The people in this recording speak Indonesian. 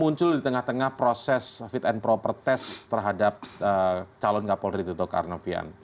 muncul di tengah tengah proses fit and proper test terhadap calon kapolri tito karnavian